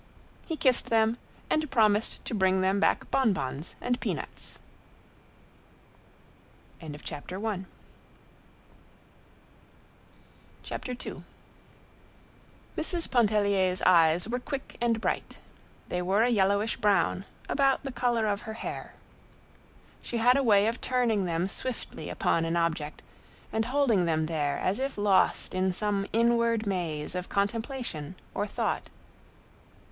He kissed them and promised to bring them back bonbons and peanuts. II Mrs. Pontellier's eyes were quick and bright; they were a yellowish brown, about the color of her hair. She had a way of turning them swiftly upon an object and holding them there as if lost in some inward maze of contemplation or thought.